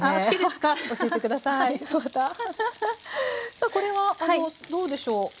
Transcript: さあこれはどうでしょう？